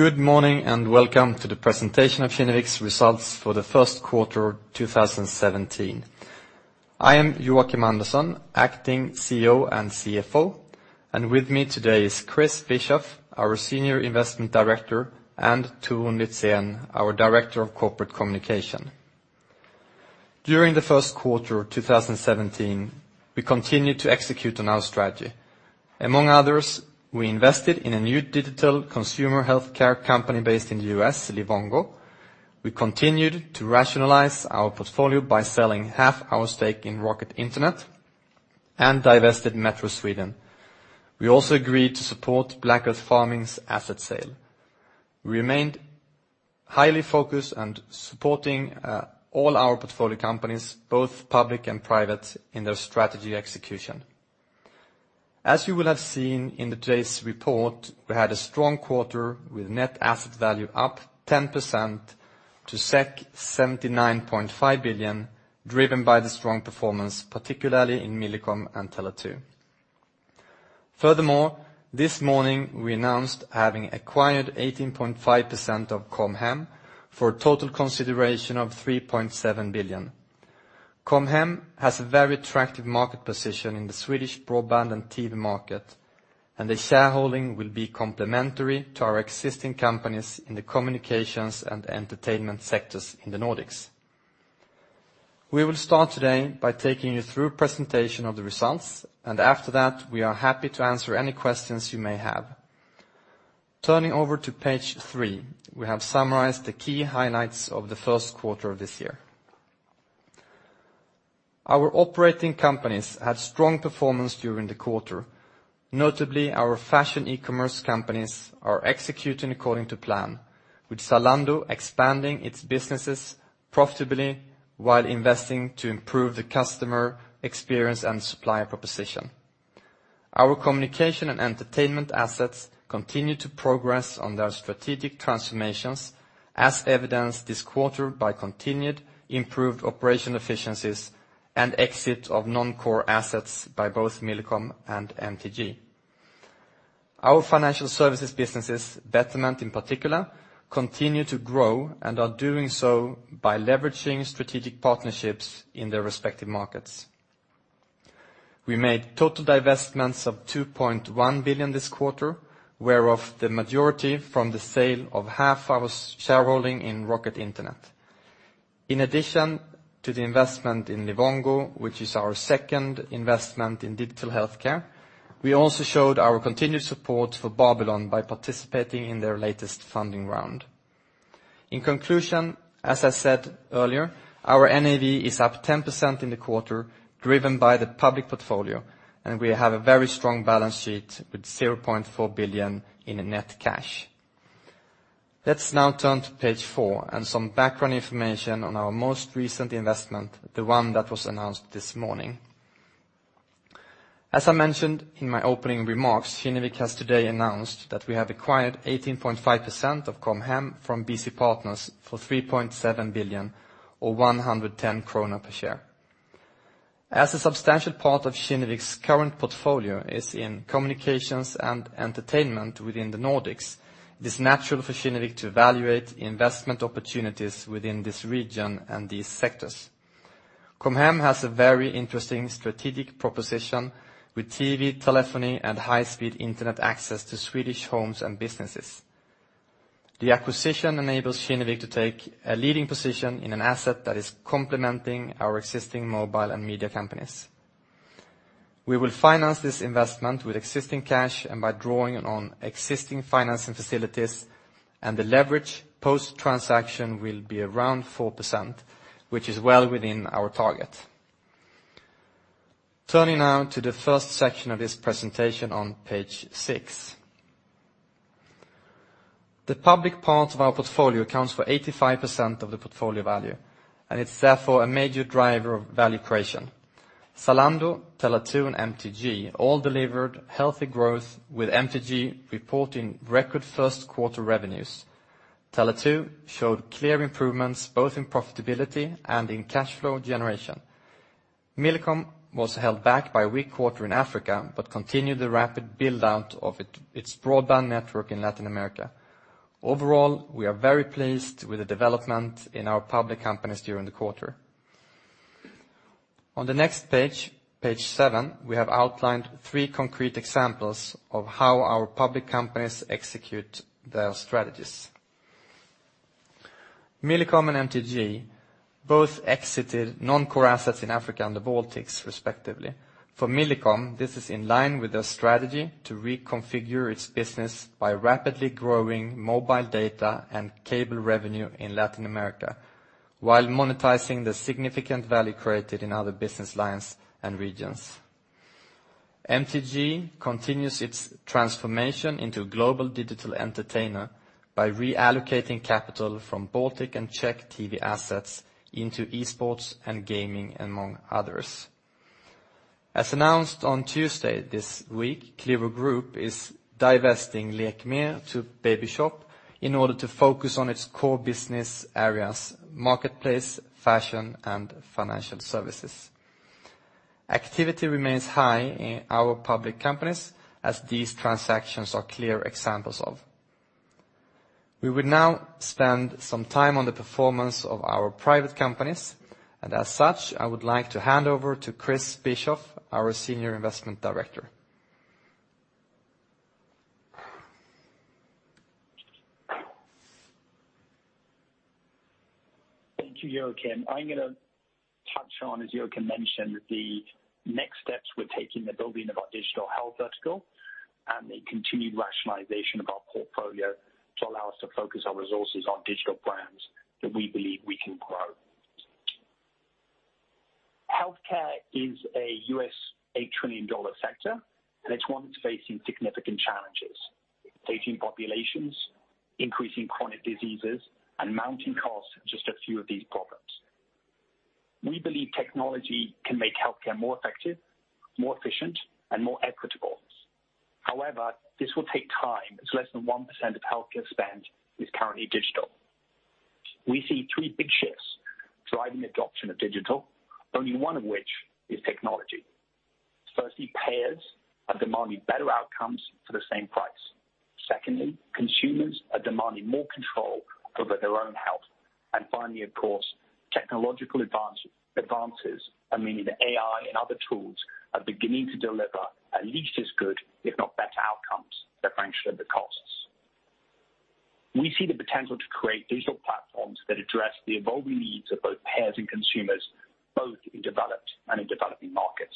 Good morning, welcome to the presentation of Kinnevik's results for the first quarter of 2017. I am Joakim Andersson, acting CEO and CFO, with me today is Chris Bischoff, our Senior Investment Director, and Torun Litzén, our Director of Corporate Communication. During the first quarter of 2017, we continued to execute on our strategy. Among others, we invested in a new digital consumer healthcare company based in the U.S., Livongo. We continued to rationalize our portfolio by selling half our stake in Rocket Internet and divested Metro Sweden. We also agreed to support Black Earth Farming's asset sale. We remained highly focused on supporting all our portfolio companies, both public and private, in their strategy execution. As you will have seen in today's report, we had a strong quarter with net asset value up 10% to 79.5 billion, driven by the strong performance, particularly in Millicom and Tele2. This morning, we announced having acquired 18.5% of Com Hem for a total consideration of 3.7 billion. Com Hem has a very attractive market position in the Swedish broadband and TV market, the shareholding will be complementary to our existing companies in the communications and entertainment sectors in the Nordics. We will start today by taking you through a presentation of the results, after that, we are happy to answer any questions you may have. Turning over to page three, we have summarized the key highlights of the first quarter of this year. Our operating companies had strong performance during the quarter. Our fashion e-commerce companies are executing according to plan, with Zalando expanding its businesses profitably while investing to improve the customer experience and supplier proposition. Our communication and entertainment assets continue to progress on their strategic transformations, as evidenced this quarter by continued improved operation efficiencies and exit of non-core assets by both Millicom and MTG. Our financial services businesses, Betterment in particular, continue to grow and are doing so by leveraging strategic partnerships in their respective markets. We made total divestments of 2.1 billion this quarter, whereof the majority from the sale of half our shareholding in Rocket Internet. In addition to the investment in Livongo, which is our second investment in digital healthcare, we also showed our continued support for Babylon by participating in their latest funding round. As I said earlier, our NAV is up 10% in the quarter, driven by the public portfolio, we have a very strong balance sheet with 0.4 billion in net cash. Let's now turn to page four and some background information on our most recent investment, the one that was announced this morning. As I mentioned in my opening remarks, Kinnevik has today announced that we have acquired 18.5% of Com Hem from BC Partners for 3.7 billion or 110 krona per share. A substantial part of Kinnevik's current portfolio is in communications and entertainment within the Nordics, it is natural for Kinnevik to evaluate investment opportunities within this region and these sectors. Com Hem has a very interesting strategic proposition with TV, telephony, and high-speed internet access to Swedish homes and businesses. The acquisition enables Kinnevik to take a leading position in an asset that is complementing our existing mobile and media companies. We will finance this investment with existing cash and by drawing on existing financing facilities, and the leverage post-transaction will be around 4%, which is well within our target. Turning now to the first section of this presentation on page six. The public part of our portfolio accounts for 85% of the portfolio value, and it's therefore a major driver of value creation. Zalando, Tele2, and MTG all delivered healthy growth, with MTG reporting record first quarter revenues. Tele2 showed clear improvements both in profitability and in cash flow generation. Millicom was held back by a weak quarter in Africa but continued the rapid build-out of its broadband network in Latin America. Overall, we are very pleased with the development in our public companies during the quarter. On the next page seven, we have outlined three concrete examples of how our public companies execute their strategies. Millicom and MTG both exited non-core assets in Africa and the Baltics, respectively. For Millicom, this is in line with their strategy to reconfigure its business by rapidly growing mobile data and cable revenue in Latin America while monetizing the significant value created in other business lines and regions. MTG continues its transformation into a global digital entertainer by reallocating capital from Baltic and Czech TV assets into esports and gaming, among others. As announced on Tuesday this week, Qliro Group is divesting Lekmer to Babyshop in order to focus on its core business areas, marketplace, fashion, and financial services. Activity remains high in our public companies, as these transactions are clear examples of. We will now spend some time on the performance of our private companies, as such, I would like to hand over to Chris Bischoff, our Senior Investment Director. Thank you, Joakim. I'm going to touch on, as Joakim mentioned, the next steps we're taking in the building of our digital health vertical and the continued rationalization of our portfolio to allow us to focus our resources on digital brands that we believe we can grow. Healthcare is a U.S. $8 trillion sector, and it's one that's facing significant challenges. Aging populations, increasing chronic diseases, and mounting costs are just a few of these problems. We believe technology can make healthcare more effective, more efficient, and more equitable. However, this will take time, as less than 1% of healthcare spend is currently digital. We see three big shifts driving adoption of digital, only one of which is technology. Firstly, payers are demanding better outcomes for the same price. Secondly, consumers are demanding more control over their own health. Finally, of course, technological advances, meaning AI and other tools, are beginning to deliver at least as good, if not better outcomes at a fraction of the costs. We see the potential to create digital platforms that address the evolving needs of both payers and consumers, both in developed and in developing markets.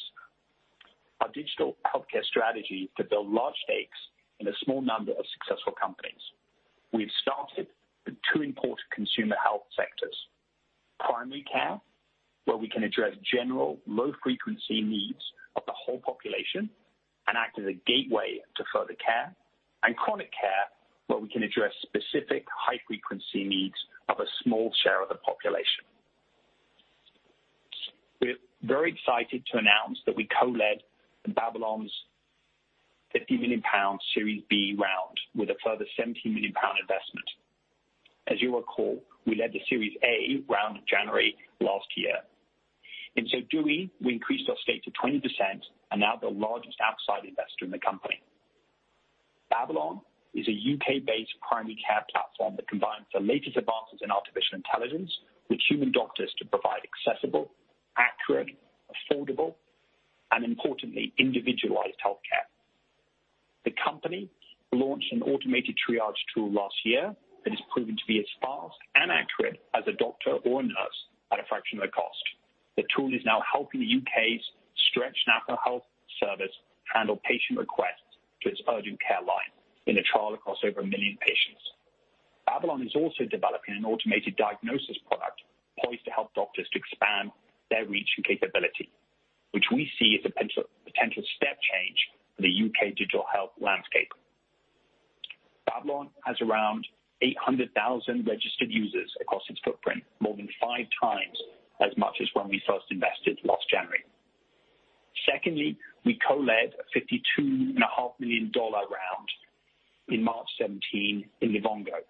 Our digital healthcare strategy is to build large stakes in a small number of successful companies. We've started with two important consumer health sectors, primary care, where we can address general low-frequency needs of the whole population and act as a gateway to further care, and chronic care, where we can address specific high-frequency needs of a small share of the population. We're very excited to announce that we co-led Babylon's 50 million pound Series B round with a further 17 million pound investment. As you recall, we led the Series A round in January last year. In so doing, we increased our stake to 20% and are now the largest outside investor in the company. Babylon is a U.K.-based primary care platform that combines the latest advances in artificial intelligence with human doctors to provide accessible, accurate, affordable, and importantly, individualized healthcare. The company launched an automated triage tool last year that has proven to be as fast and accurate as a doctor or nurse at a fraction of the cost. The tool is now helping the U.K.'s stretched National Health Service handle patient requests to its urgent care line in a trial across over 1 million patients. Babylon is also developing an automated diagnosis product poised to help doctors to expand their reach and capability, which we see as a potential step change in the U.K. digital health landscape. Babylon has around 800,000 registered users across its footprint, more than five times as much as when we first invested last January. Secondly, we co-led a $52.5 million round in March 2017 in Livongo,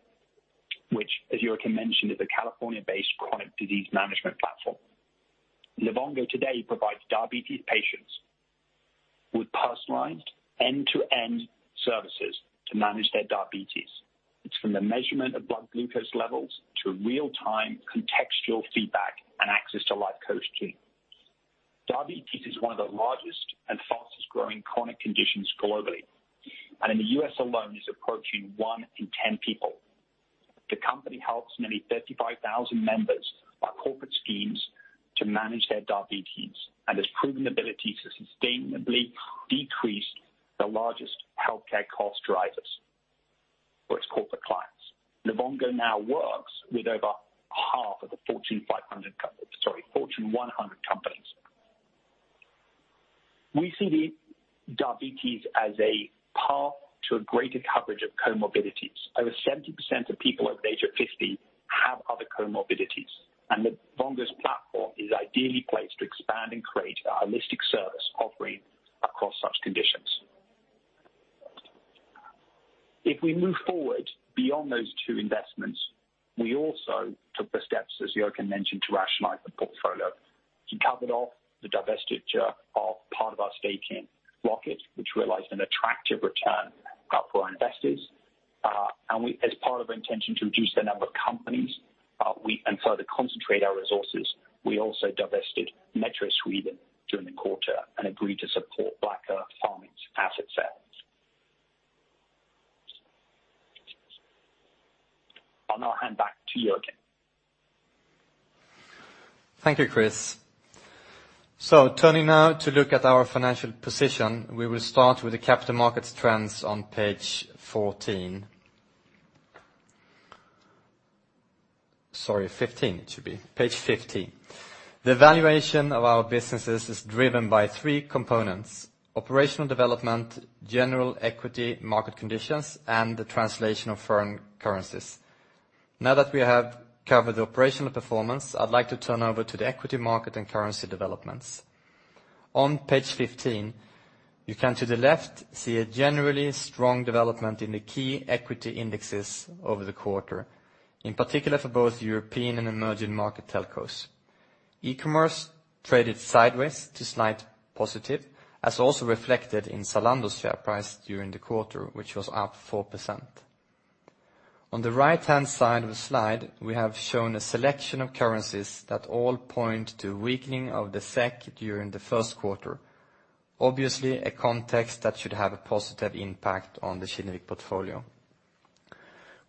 which, as Joakim mentioned, is a California-based chronic disease management platform. Livongo today provides diabetes patients with personalized end-to-end services to manage their diabetes. It's from the measurement of blood glucose levels to real-time contextual feedback and access to life coach team. Diabetes is one of the largest and fastest-growing chronic conditions globally. In the U.S. alone, is approaching one in 10 people. The company helps nearly 35,000 members of corporate schemes to manage their diabetes and has proven ability to sustainably decrease the largest healthcare cost drivers for its corporate clients. Livongo now works with over half of the Fortune 100 companies. We see diabetes as a path to a greater coverage of comorbidities. Over 70% of people over the age of 50 have other comorbidities, and Livongo's platform is ideally placed to expand and create a holistic service offering across such conditions. If we move forward beyond those two investments, we also took the steps, as Joakim mentioned, to rationalize the portfolio. He capped off the divestiture of part of our stake in Rocket, which realized an attractive return for our investors. As part of our intention to reduce the number of companies and further concentrate our resources, we also divested Metro Sweden during the quarter and agreed to support Black Earth Farming's asset sales. I'll now hand back to Joakim. Thank you, Chris. Turning now to look at our financial position, we will start with the capital markets trends on page 14. Sorry, 15 it should be. Page 15. The valuation of our businesses is driven by three components, operational development, general equity market conditions, and the translation of foreign currencies. Now that we have covered the operational performance, I'd like to turn over to the equity market and currency developments. On page 15, you can, to the left, see a generally strong development in the key equity indexes over the quarter, in particular for both European and emerging market telcos. E-commerce traded sideways to slight positive, as also reflected in Zalando's share price during the quarter, which was up 4%. On the right-hand side of the slide, we have shown a selection of currencies that all point to weakening of the SEK during the first quarter. Obviously, a context that should have a positive impact on the Kinnevik portfolio.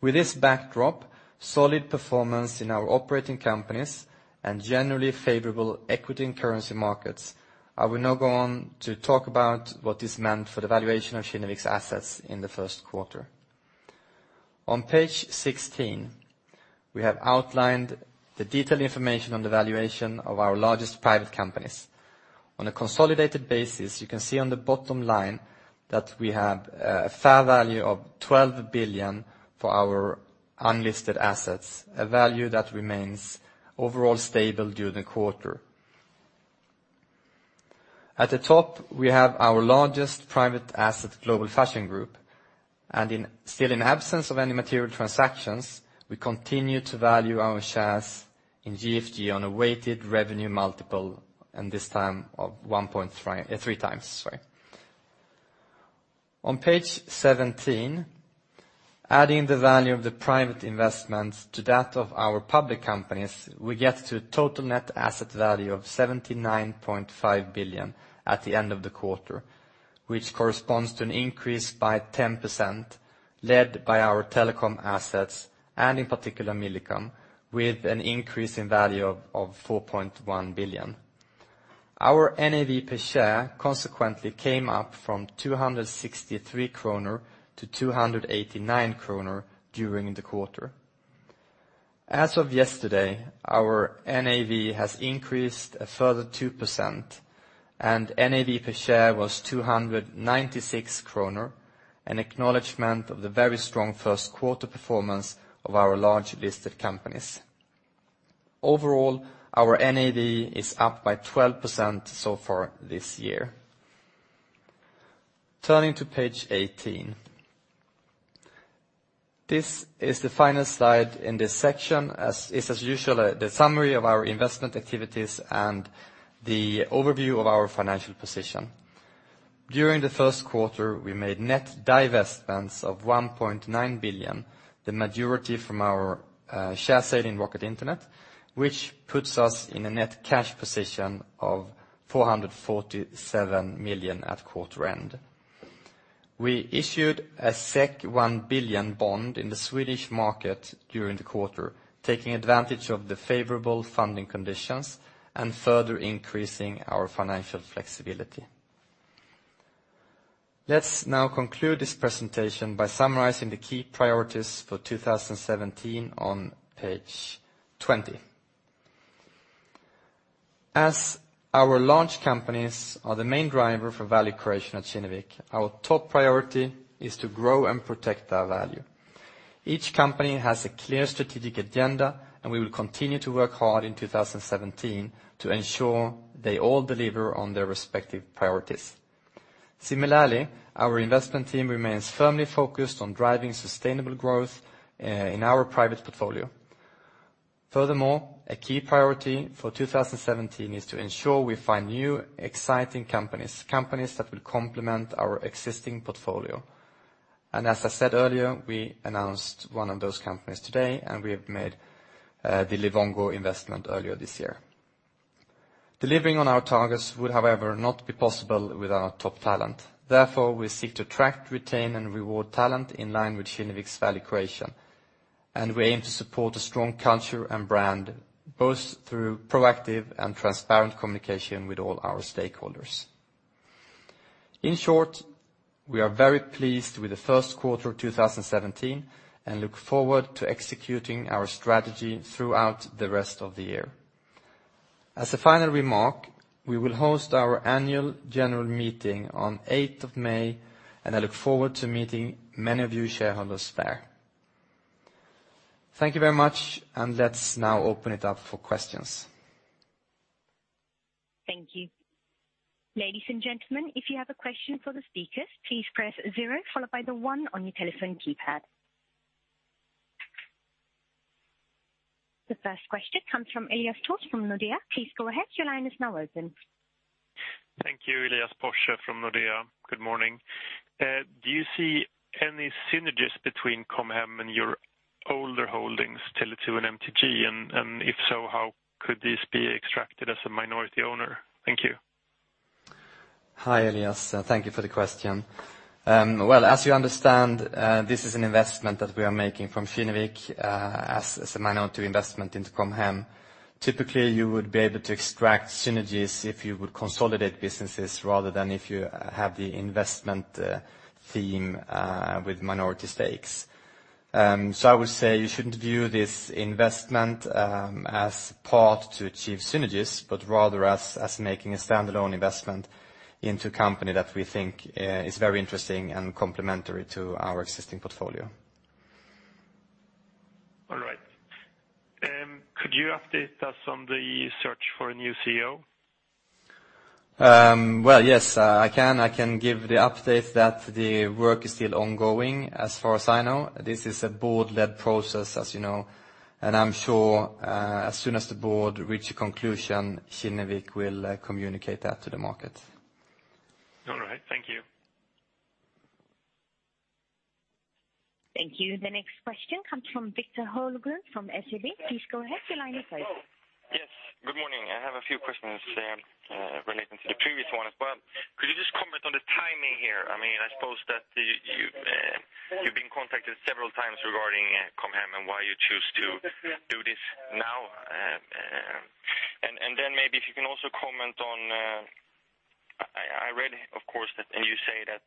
With this backdrop, solid performance in our operating companies, and generally favorable equity and currency markets, I will now go on to talk about what this meant for the valuation of Kinnevik's assets in the first quarter. On page 16, we have outlined the detailed information on the valuation of our largest private companies. On a consolidated basis, you can see on the bottom line that we have a fair value of 12 billion for our unlisted assets, a value that remains overall stable during the quarter. At the top, we have our largest private asset, Global Fashion Group, and still in absence of any material transactions, we continue to value our shares in GFG on a weighted revenue multiple, and this time of 1.3 times, sorry. On page 17, adding the value of the private investments to that of our public companies, we get to a total net asset value of 79.5 billion at the end of the quarter, which corresponds to an increase by 10%, led by our telecom assets, and in particular, Millicom, with an increase in value of 4.1 billion. Our NAV per share consequently came up from 263 kronor to 289 kronor during the quarter. As of yesterday, our NAV has increased a further 2%, and NAV per share was 296 kronor, an acknowledgment of the very strong first quarter performance of our large listed companies. Overall, our NAV is up by 12% so far this year. Turning to page 18. This is the final slide in this section, as is usual, the summary of our investment activities and the overview of our financial position. During the first quarter, we made net divestments of 1.9 billion, the majority from our share sale in Rocket Internet, which puts us in a net cash position of 447 million at quarter end. We issued a 1 billion bond in the Swedish market during the quarter, taking advantage of the favorable funding conditions and further increasing our financial flexibility. Let's now conclude this presentation by summarizing the key priorities for 2017 on page 20. As our launch companies are the main driver for value creation at Kinnevik, our top priority is to grow and protect our value. Each company has a clear strategic agenda, and we will continue to work hard in 2017 to ensure they all deliver on their respective priorities. Similarly, our investment team remains firmly focused on driving sustainable growth in our private portfolio. A key priority for 2017 is to ensure we find new, exciting companies that will complement our existing portfolio. As I said earlier, we announced one of those companies today, we have made the Livongo investment earlier this year. Delivering on our targets would, however, not be possible without top talent. Therefore, we seek to attract, retain, and reward talent in line with Kinnevik's value creation, we aim to support a strong culture and brand, both through proactive and transparent communication with all our stakeholders. In short, we are very pleased with the first quarter of 2017, look forward to executing our strategy throughout the rest of the year. As a final remark, we will host our annual general meeting on the 8th of May, I look forward to meeting many of you shareholders there. Thank you very much, let's now open it up for questions. Thank you. Ladies and gentlemen, if you have a question for the speakers, please press zero followed by the one on your telephone keypad. The first question comes from Elias Tors from Nordea. Please go ahead. Your line is now open. Thank you. Elias Tors from Nordea. Good morning. Do you see any synergies between Com Hem and your older holdings, Tele2 and MTG? If so, how could this be extracted as a minority owner? Thank you. Hi, Elias. Thank you for the question. As you understand, this is an investment that we are making from Kinnevik as a minority investment into Com Hem. Typically, you would be able to extract synergies if you would consolidate businesses rather than if you have the investment theme with minority stakes. I would say you shouldn't view this investment as part to achieve synergies, but rather as making a standalone investment into a company that we think is very interesting and complementary to our existing portfolio. Can you update us on the search for a new CEO? Yes, I can give the update that the work is still ongoing. As far as I know, this is a board-led process, as you know, and I'm sure as soon as the board reach a conclusion, Kinnevik will communicate that to the market. All right. Thank you. Thank you. The next question comes from Victor Holmgren from SEB. Please go ahead. Your line is open. Yes. Good morning. I have a few questions relating to the previous one as well. Could you just comment on the timing here? I suppose that you've been contacted several times regarding Com Hem, why you choose to do this now. Maybe if you can also comment on-- I read, of course, that you say that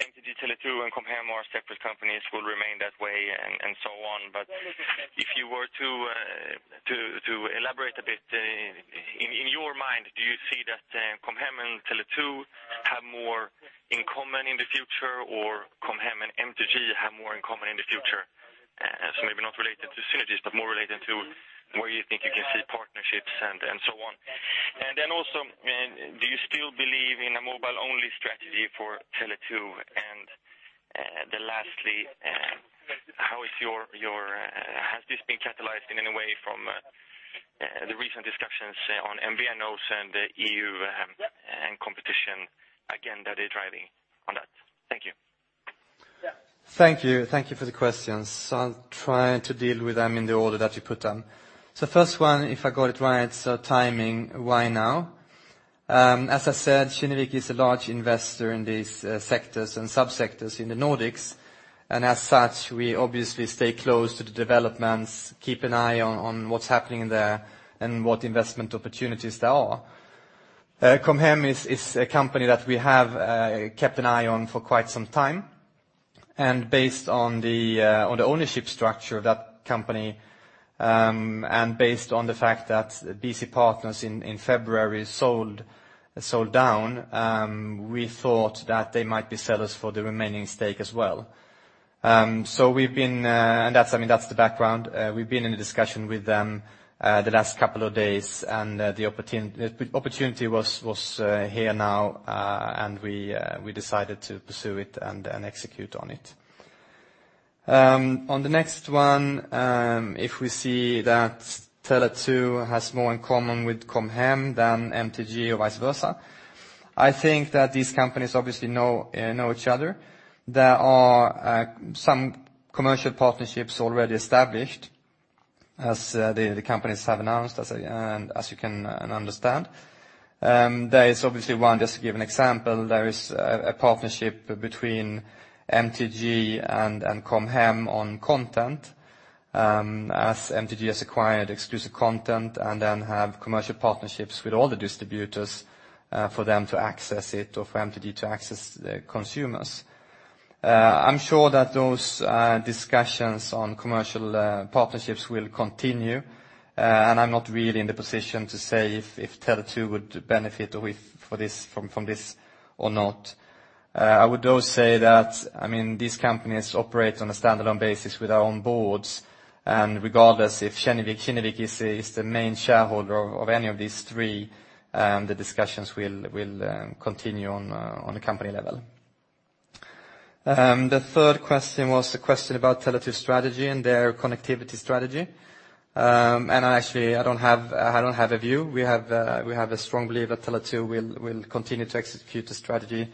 MTG, Tele2, and Com Hem are separate companies will remain that way and so on. If you were to elaborate a bit, in your mind, do you see that Com Hem and Tele2 have more in common in the future or Com Hem and MTG have more in common in the future? Maybe not related to synergies, but more related to where you think you can see partnerships and so on. Also, do you still believe in a mobile-only strategy for Tele2? Lastly, has this been catalyzed in any way from the recent discussions on MVNOs and EU and competition, again, that is driving on that? Thank you. Thank you for the questions. I'll try to deal with them in the order that you put them. First one, if I got it right, timing, why now? As I said, Kinnevik is a large investor in these sectors and sub-sectors in the Nordics, as such, we obviously stay close to the developments, keep an eye on what's happening there what investment opportunities there are. Com Hem is a company that we have kept an eye on for quite some time. Based on the ownership structure of that company, based on the fact that BC Partners in February sold down, we thought that they might be sellers for the remaining stake as well. That's the background. We've been in a discussion with them the last couple of days, the opportunity was here now, we decided to pursue it and execute on it. On the next one, if we see that Tele2 has more in common with Com Hem than MTG or vice versa. I think that these companies obviously know each other. There are some commercial partnerships already established as the companies have announced, and as you can understand. There is obviously one, just to give an example, there is a partnership between MTG and Com Hem on content, as MTG has acquired exclusive content and then have commercial partnerships with all the distributors for them to access it or for MTG to access the consumers. I'm sure that those discussions on commercial partnerships will continue, and I'm not really in the position to say if Tele2 would benefit from this or not. I would though say that these companies operate on a standalone basis with their own boards, and regardless if Kinnevik is the main shareholder of any of these three, the discussions will continue on a company level. The third question was the question about Tele2's strategy and their connectivity strategy. Actually, I don't have a view. We have a strong belief that Tele2 will continue to execute a strategy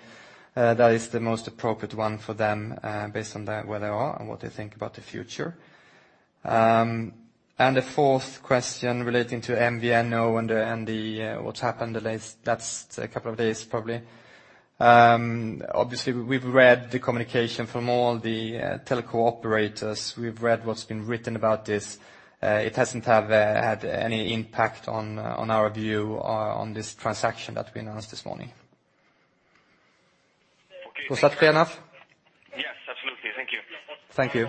that is the most appropriate one for them, based on where they are and what they think about the future. The fourth question relating to MVNO and what's happened the last couple of days, probably. Obviously, we've read the communication from all the teleco operators. We've read what's been written about this. It hasn't had any impact on our view on this transaction that we announced this morning. Does that clear enough? Yes, absolutely. Thank you. Thank you.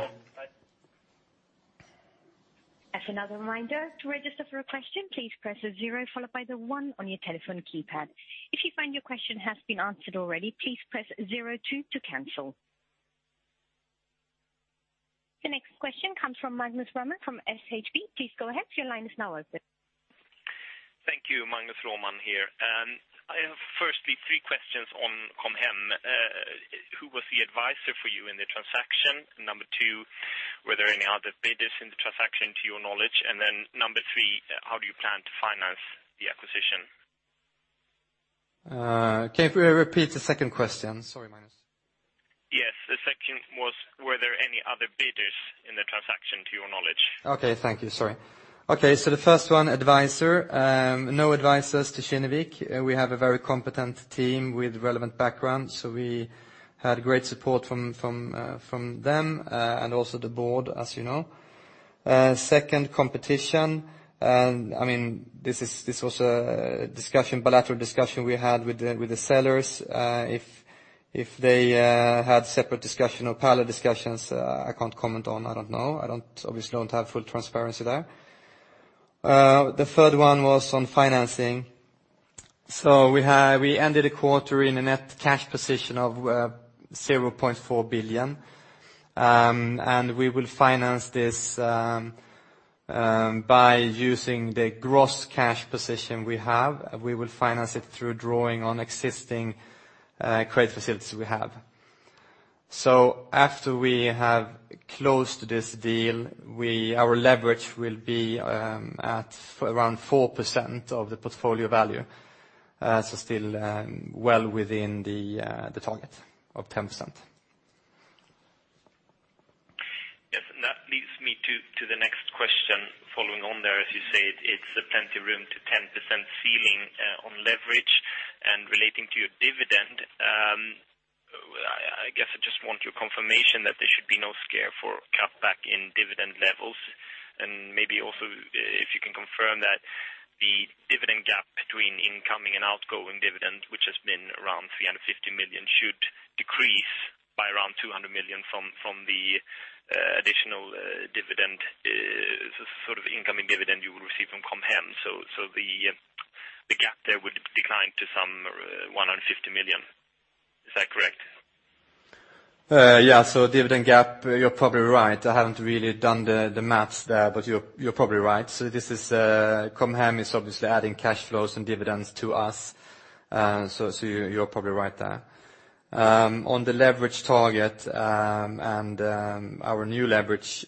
As another reminder, to register for a question, please press zero followed by the one on your telephone keypad. If you find your question has been answered already, please press zero two to cancel. The next question comes from Magnus Råman from SHB. Please go ahead. Your line is now open. Thank you. Magnus Råman here. I have firstly three questions on Com Hem. Who was the advisor for you in the transaction? Number two, were there any other bidders in the transaction to your knowledge? Number three, how do you plan to finance the acquisition? Can you repeat the second question? Sorry, Magnus. Yes. The second was, were there any other bidders in the transaction to your knowledge? Okay. Thank you. Sorry. Okay, the first one, advisor. No advisors to Kinnevik. We have a very competent team with relevant background. We had great support from them, and also the board, as you know. Second, competition. This was a bilateral discussion we had with the sellers. If they had separate discussion or parallel discussions, I can't comment on, I don't know. I obviously don't have full transparency there. The third one was on financing. We ended the quarter in a net cash position of 0.4 billion. We will finance this by using the gross cash position we have. We will finance it through drawing on existing credit facilities we have. After we have closed this deal, our leverage will be at around 4% of the portfolio value. Still well within the target of 10%. Yes. That leads me to the next question following on there. As you said, it's plenty room to 10% ceiling on leverage and relating to your dividend. I guess I just want your confirmation that there should be no scare for cutback in dividend levels and maybe also if you can confirm that the dividend gap between incoming and outgoing dividend, which has been around 350 million, should decrease by around 200 million from the additional dividend, sort of incoming dividend you will receive from Com Hem. The gap there would decline to some 150 million. Is that correct? Yeah. Dividend gap, you're probably right. I haven't really done the maths there, but you're probably right. Com Hem is obviously adding cash flows and dividends to us. You're probably right there. On the leverage target and our new leverage,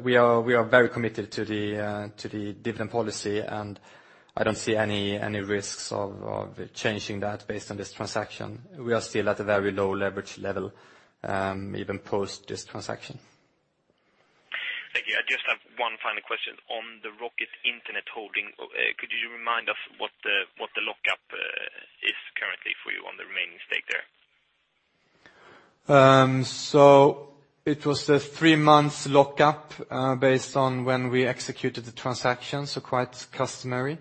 we are very committed to the dividend policy, and I don't see any risks of changing that based on this transaction. We are still at a very low leverage level, even post this transaction. Thank you. I just have one final question on the Rocket Internet holding. Could you remind us what the lockup is currently for you on the remaining stake there? It was a three months lockup based on when we executed the transaction, quite customary.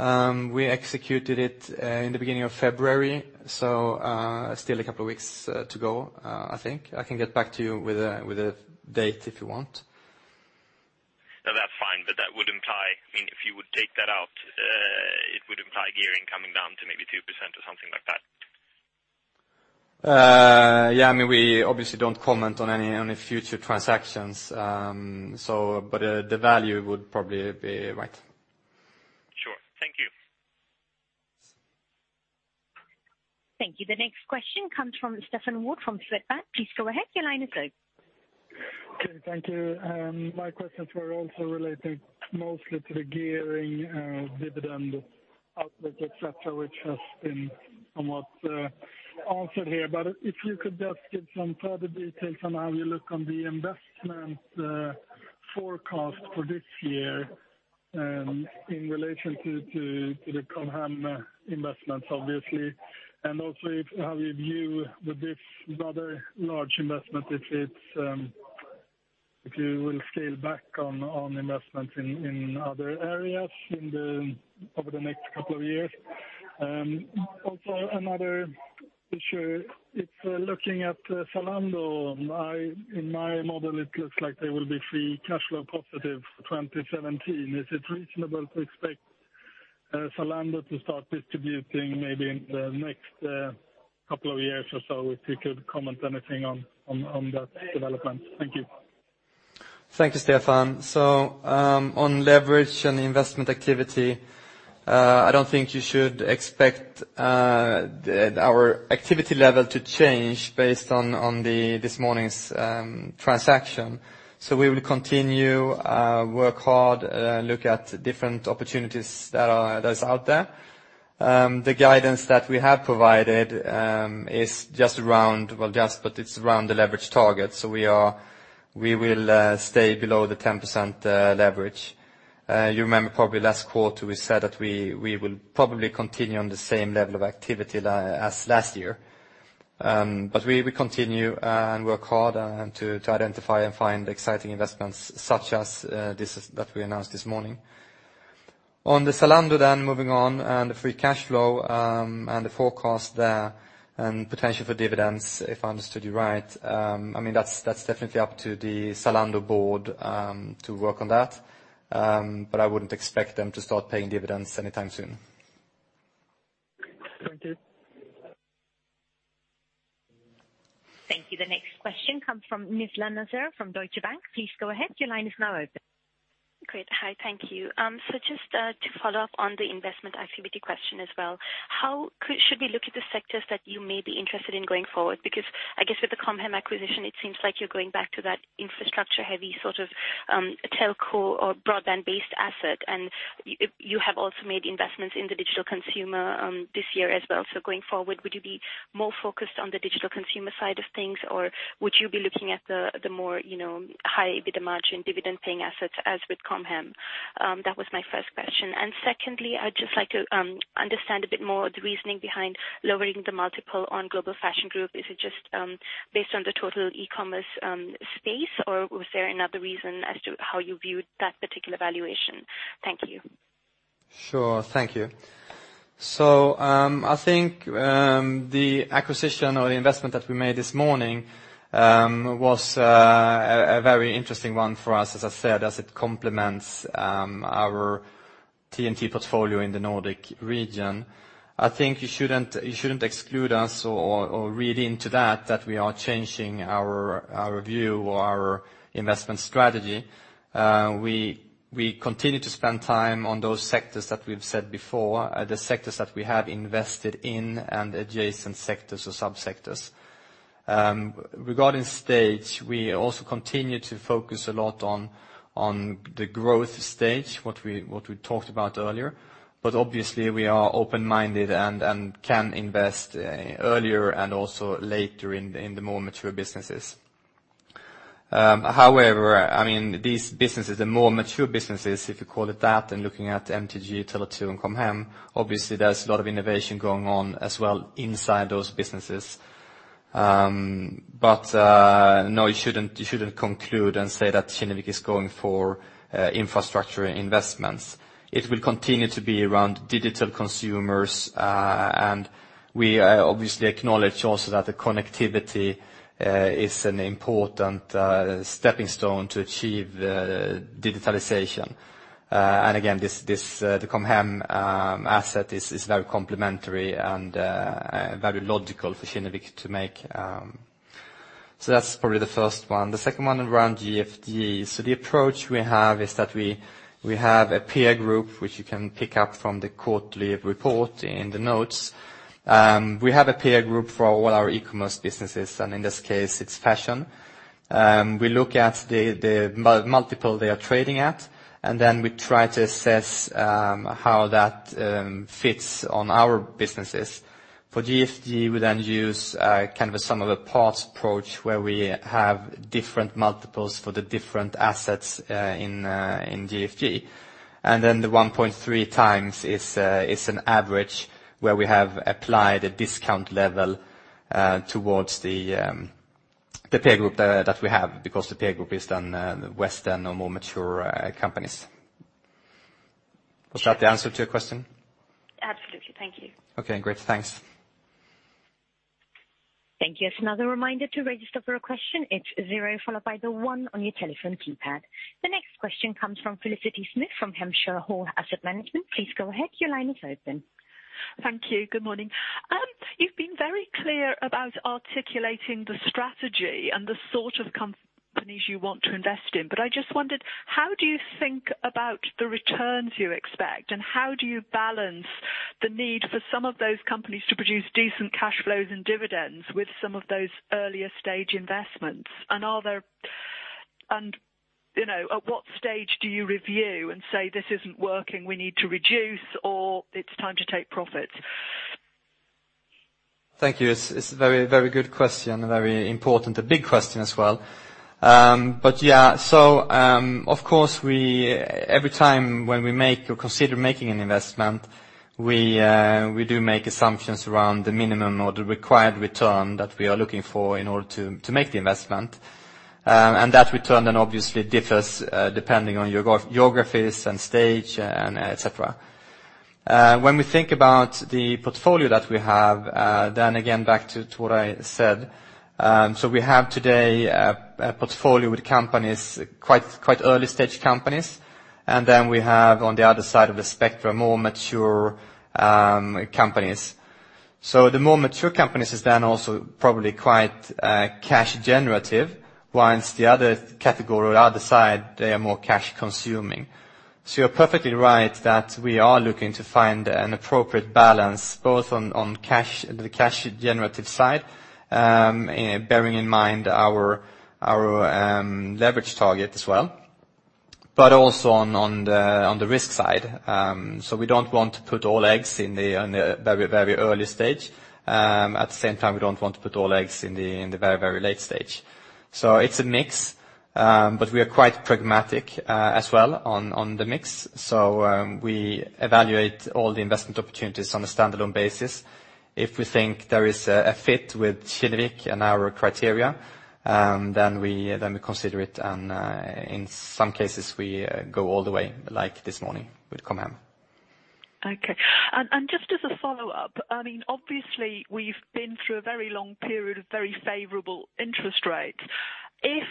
We executed it in the beginning of February, still a couple of weeks to go, I think. I can get back to you with a date if you want. That's fine. That would imply, if you would take that out, it would imply gearing coming down to maybe 2% or something like that. We obviously don't comment on any future transactions. The value would probably be right. Sure. Thank you. Thank you. The next question comes from Stefan Wård from Swedbank. Please go ahead. Your line is open. Thank you. My questions were also relating mostly to the gearing dividend outlook, et cetera, which has been somewhat answered here. If you could just give some further details on how you look on the investment forecast for this year in relation to the Com Hem investments, obviously, and also how you view with this rather large investment, if you will scale back on investment in other areas over the next couple of years. Another issue, if we're looking at Zalando, in my model, it looks like they will be free cash flow positive 2017. Is it reasonable to expect Zalando to start distributing maybe in the next couple of years or so? If you could comment anything on that development. Thank you. Thank you, Stefan. On leverage and investment activity, I don't think you should expect our activity level to change based on this morning's transaction. We will continue, work hard, look at different opportunities that is out there. The guidance that we have provided is just around the leverage target. We will stay below the 10% leverage. You remember probably last quarter we said that we will probably continue on the same level of activity as last year. We continue and work hard to identify and find exciting investments such as that we announced this morning. On the Zalando, moving on and the free cash flow, and the forecast there, and potential for dividends, if I understood you right, that's definitely up to the Zalando board to work on that. I wouldn't expect them to start paying dividends anytime soon. Thank you. Thank you. The next question comes from Nizlan Naizer from Deutsche Bank. Please go ahead. Your line is now open. Great. Hi, thank you. Just to follow up on the investment activity question as well, how should we look at the sectors that you may be interested in going forward? Because I guess with the Com Hem acquisition, it seems like you're going back to that infrastructure-heavy sort of telco or broadband-based asset, and you have also made investments in the digital consumer this year as well. Going forward, would you be more focused on the digital consumer side of things, or would you be looking at the more high EBITDA margin dividend-paying assets as with Com Hem? That was my first question. Secondly, I'd just like to understand a bit more the reasoning behind lowering the multiple on Global Fashion Group. Is it just based on the total e-commerce space, or was there another reason as to how you viewed that particular valuation? Thank you. Sure. Thank you. I think the acquisition or the investment that we made this morning was a very interesting one for us, as I said, as it complements our TMT portfolio in the Nordic region. I think you shouldn't exclude us or read into that we are changing our view or our investment strategy. We continue to spend time on those sectors that we've said before, the sectors that we have invested in, and adjacent sectors or sub-sectors. Regarding stage, we also continue to focus a lot on the growth stage, what we talked about earlier. Obviously, we are open-minded and can invest earlier and also later in the more mature businesses. However, these businesses are more mature businesses, if you call it that, and looking at MTG, Tele2, and Com Hem, obviously there's a lot of innovation going on as well inside those businesses. No, you shouldn't conclude and say that Kinnevik is going for infrastructure investments. It will continue to be around digital consumers, and we obviously acknowledge also that the connectivity is an important stepping stone to achieve digitalization. Again, the Com Hem asset is very complementary and very logical for Kinnevik to make. That's probably the first one. The second one around GFG. The approach we have is that we have a peer group, which you can pick up from the quarterly report in the notes. We have a peer group for all our e-commerce businesses, and in this case, it's fashion. We look at the multiple they are trading at, and then we try to assess how that fits on our businesses. For GFG, we then use a sum of a parts approach, where we have different multiples for the different assets in GFG. The 1.3 times is an average where we have applied a discount level towards the peer group that we have, because the peer group is done western or more mature companies. Was that the answer to your question? Absolutely. Thank you. Okay, great. Thanks. Thank you. Just another reminder to register for a question, it's zero followed by the one on your telephone keypad. The next question comes from Felicity Smith from Hampshire Hall Asset Management. Please go ahead. Your line is open. Thank you. Good morning. You've been very clear about articulating the strategy and the sort of companies you want to invest in, but I just wondered, how do you think about the returns you expect, and how do you balance the need for some of those companies to produce decent cash flows and dividends with some of those earlier stage investments? At what stage do you review and say, "This isn't working, we need to reduce," or it's time to take profits? Thank you. It's a very good question. Very important. A big question as well. Of course, every time when we make or consider making an investment, we do make assumptions around the minimum or the required return that we are looking for in order to make the investment. That return obviously differs depending on geographies and stage, et cetera. When we think about the portfolio that we have, again, back to what I said, we have today a portfolio with companies, quite early-stage companies, and we have, on the other side of the spectrum, more mature companies. The more mature companies is also probably quite cash generative, whilst the other category or the other side, they are more cash consuming. You're perfectly right that we are looking to find an appropriate balance both on the cash generative side, bearing in mind our leverage target as well, but also on the risk side. We don't want to put all eggs in the very early stage. At the same time, we don't want to put all eggs in the very late stage. It's a mix, but we are quite pragmatic as well on the mix. We evaluate all the investment opportunities on a standalone basis. If we think there is a fit with Kinnevik and our criteria, then we consider it, and in some cases, we go all the way, like this morning with Com Hem. Okay. Just as a follow-up, obviously, we've been through a very long period of very favorable interest rates. If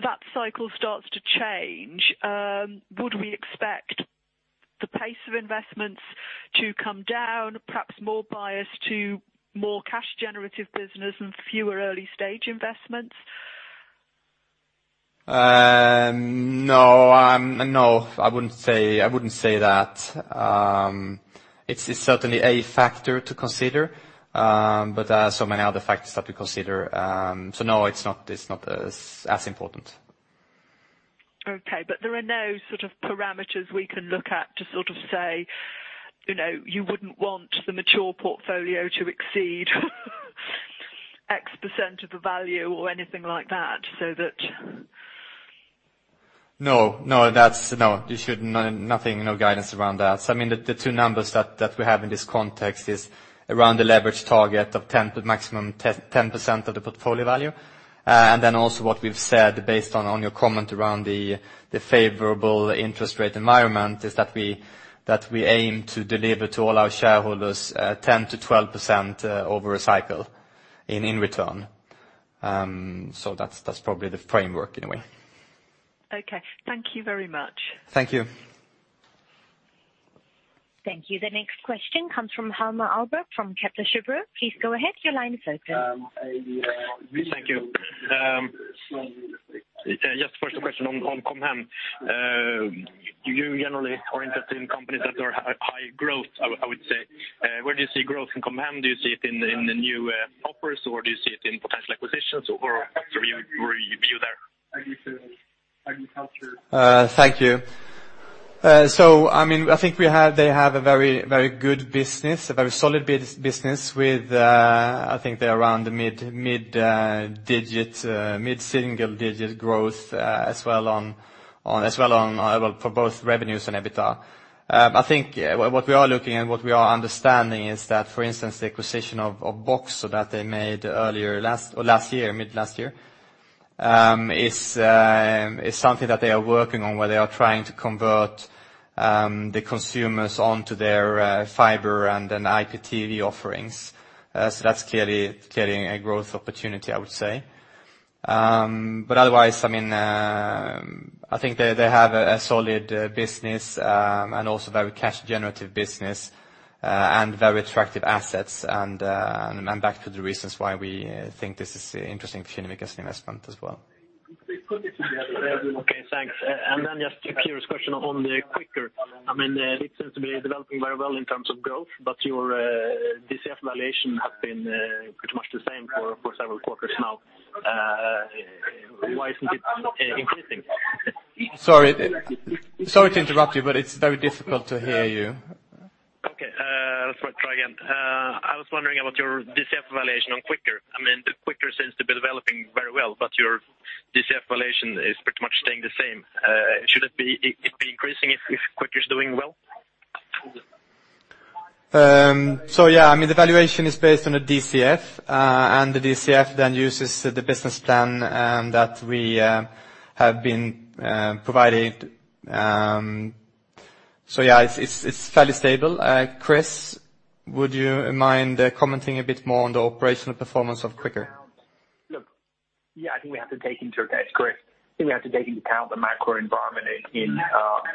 that cycle starts to change, would we expect the pace of investments to come down, perhaps more bias to more cash generative business and fewer early-stage investments? No. I wouldn't say that. It's certainly a factor to consider, but there are so many other factors that we consider. No, it's not as important. Okay. There are no sort of parameters we can look at to sort of say, you wouldn't want the mature portfolio to exceed X% of the value or anything like that, so that No, nothing, no guidance around that. I mean, the two numbers that we have in this context is around the leverage target of maximum 10% of the portfolio value. Then also what we've said based on your comment around the favorable interest rate environment is that we aim to deliver to all our shareholders 10%-12% over a cycle in return. That's probably the framework in a way. Okay. Thank you very much. Thank you. Thank you. The next question comes from Helmer Ahlberg from Kepler Cheuvreux. Please go ahead. Your line is open. Thank you. First a question on Com Hem. You generally are invested in companies that are high growth, I would say. Where do you see growth in Com Hem? Do you see it in the new offers, or do you see it in potential acquisitions, or where you view there? Thank you. I think they have a very good business, a very solid business with, I think they're around the mid-single digit growth as well for both revenues and EBITDA. I think what we are looking and what we are understanding is that, for instance, the acquisition of Boxer that they made mid-last year is something that they are working on where they are trying to convert the consumers onto their fiber and then IPTV offerings. That's clearly getting a growth opportunity, I would say. Otherwise, I think they have a solid business, and also very cash generative business, and very attractive assets, and back to the reasons why we think this is interesting for Kinnevik as an investment as well. Okay, thanks. Just a curious question on the Quikr. It seems to be developing very well in terms of growth, your DCF valuation has been pretty much the same for several quarters now. Why isn't it increasing? Sorry to interrupt you, it's very difficult to hear you. Okay. I'll try again. I was wondering about your DCF valuation on Quikr. Quikr seems to be developing very well, your DCF valuation is pretty much staying the same. Should it be increasing if Quikr is doing well? Yeah, the valuation is based on a DCF, the DCF then uses the business plan that we have been provided. Yeah, it's fairly stable. Chris, would you mind commenting a bit more on the operational performance of Quikr? Yeah, I think we have to take into account, it's Chris. I think we have to take into account the macro environment in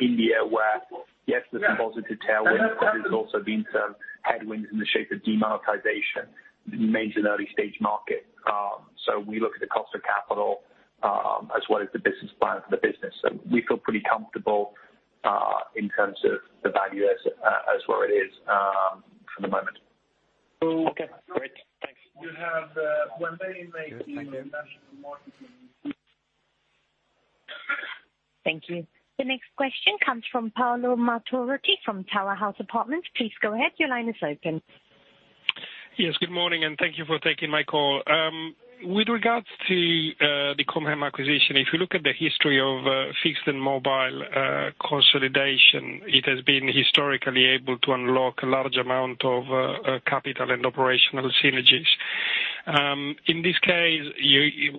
India where, yes, there's a positive tailwind, but there's also been some headwinds in the shape of demonetization. It remains an early-stage market. We look at the cost of capital, as well as the business plan for the business. We feel pretty comfortable in terms of the value as where it is for the moment. Okay, great. Thanks. Thank you. The next question comes from Paolo Mortarotti from Towerhouse Partners. Please go ahead. Your line is open. Yes, good morning, and thank you for taking my call. With regards to the Com Hem acquisition, if you look at the history of fixed and mobile consolidation, it has been historically able to unlock a large amount of capital and operational synergies. In this case,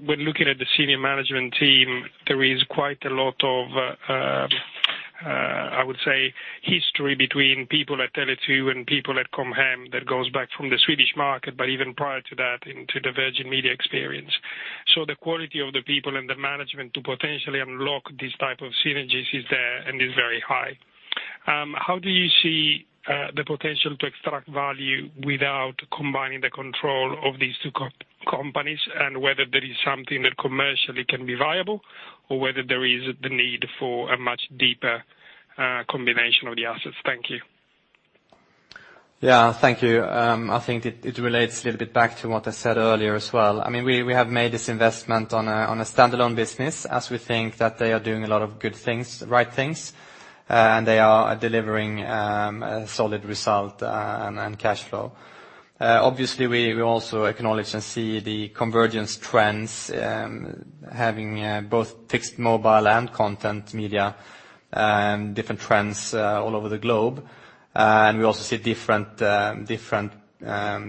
when looking at the senior management team, there is quite a lot of, I would say, history between people at Tele2 and people at Com Hem that goes back from the Swedish market, but even prior to that into the Virgin Media experience. The quality of the people and the management to potentially unlock these type of synergies is there and is very high. How do you see the potential to extract value without combining the control of these two companies, and whether there is something that commercially can be viable or whether there is the need for a much deeper combination of the assets? Thank you. Yeah, thank you. I think it relates a little bit back to what I said earlier as well. We have made this investment on a standalone business as we think that they are doing a lot of good things, the right things, and they are delivering a solid result and cash flow. Obviously, we also acknowledge and see the convergence trends, having both fixed mobile and content media, different trends all over the globe. We also see different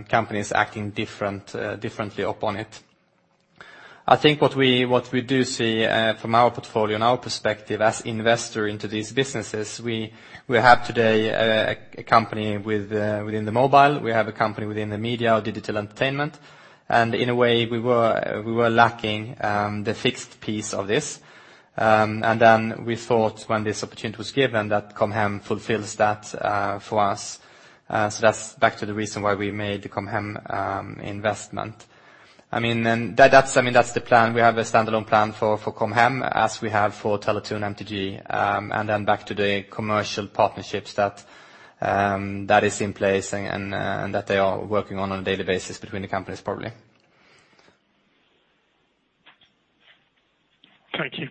companies acting differently upon it. I think what we do see from our portfolio and our perspective as investor into these businesses, we have today a company within the mobile, we have a company within the media or digital entertainment. In a way we were lacking the fixed piece of this. We thought when this opportunity was given that Com Hem fulfills that for us. That's back to the reason why we made the Com Hem investment. That's the plan. We have a standalone plan for Com Hem as we have for Tele2 and MTG. Back to the commercial partnerships that is in place and that they are working on a daily basis between the companies, probably. Thank you.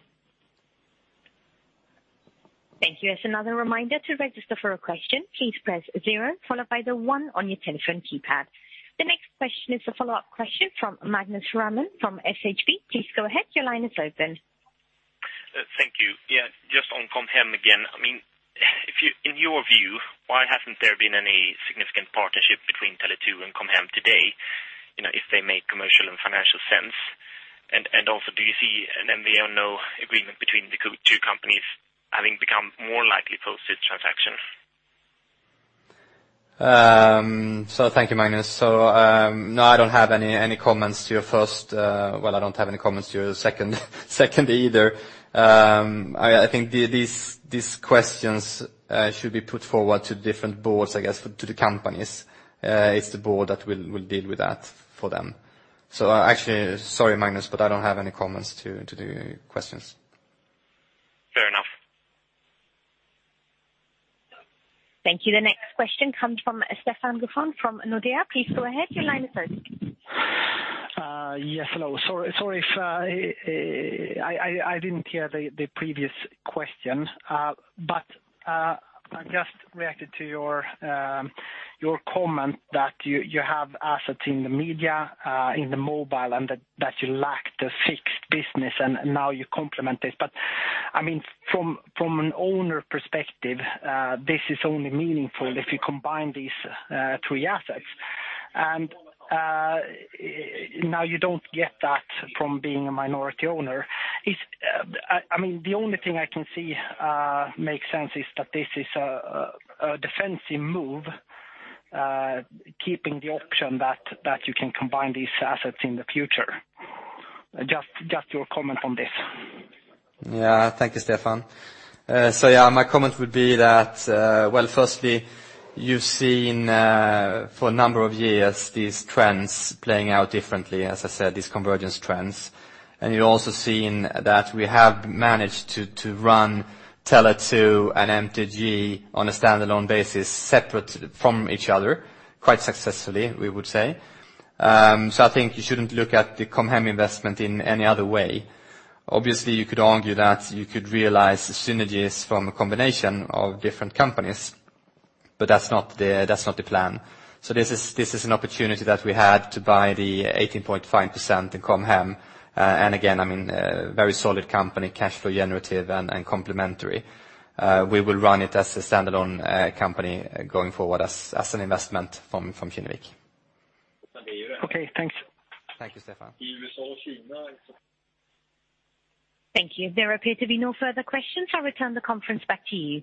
Thank you. As another reminder, to register for a question, please press 0 followed by the 1 on your telephone keypad. The next question is a follow-up question from Magnus Ramhem from Handelsbanken. Please go ahead. Your line is open. Thank you. Yeah, just on Com Hem again. In your view, why hasn't there been any significant partnership between Tele2 and Com Hem today if they make commercial and financial sense? Also, do you see an M&A or MVNO agreement between the two companies having become more likely post this transaction? Thank you, Magnus. No, I don't have any comments to your first. Well, I don't have any comments to your second either. I think these questions should be put forward to different boards, I guess, to the companies. It's the board that will deal with that for them. Actually, sorry, Magnus, I don't have any comments to the questions. Fair enough. Thank you. The next question comes from Stefan Gauffin from Nordea. Please go ahead. Your line is open. Yes. Hello. Sorry if I didn't hear the previous question. I just reacted to your comment that you have assets in the media, in the mobile, that you lack the fixed business, now you complement it. From an owner perspective, this is only meaningful if you combine these three assets. Now you don't get that from being a minority owner. The only thing I can see makes sense is that this is a defensive move, keeping the option that you can combine these assets in the future. Just your comment on this. Thank you, Stefan. My comment would be that, firstly, you've seen for a number of years these trends playing out differently, as I said, these convergence trends. You've also seen that we have managed to run Tele2 and MTG on a standalone basis separate from each other, quite successfully, we would say. I think you shouldn't look at the Com Hem investment in any other way. Obviously, you could argue that you could realize synergies from a combination of different companies, but that's not the plan. This is an opportunity that we had to buy the 18.5% in Com Hem. Again, very solid company, cash flow generative, and complementary. We will run it as a standalone company going forward as an investment from Kinnevik. Okay, thanks. Thank you, Stefan. Thank you. There appear to be no further questions. I return the conference back to you.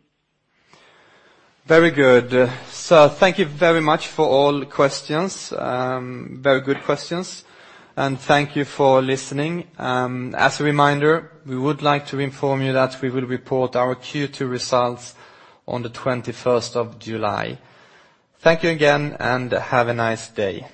Very good. Thank you very much for all questions. Very good questions. Thank you for listening. As a reminder, we would like to inform you that we will report our Q2 results on the 21st of July. Thank you again. Have a nice day.